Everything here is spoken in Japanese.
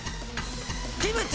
キムチ！